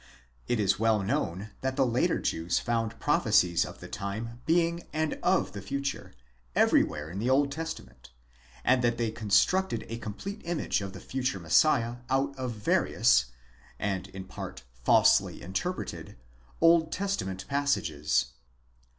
Jt is well known that the later Jews found pro phecies, of the time being and of the future, everywhere in the Old Testa ment; and that they constructed a complete image of the future Messiah, out of various, and in part falsely interpreted Old Testament passages.